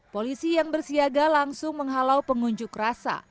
polisi yang bersiaga langsung menghalau pengunjuk rasa